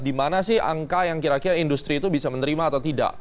di mana sih angka yang kira kira industri itu bisa menerima atau tidak